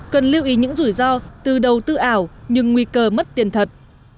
có những rủi ro từ đầu tư ảo nhưng nguy cơ mất tiền thật